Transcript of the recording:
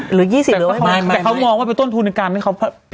หรือ๒๐เลยว่าให้หมดค่ะแต่เค้ามองว่าเป็นต้นทูลในการให้เค้าพี่